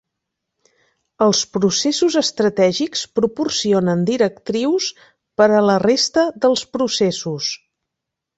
Els processos estratègics proporcionen directrius per a la resta dels processos.